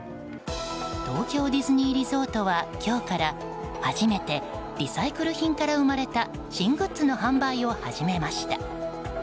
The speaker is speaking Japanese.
東京ディズニーリゾートは今日から初めてリサイクル品から生まれた新グッズの販売を始めました。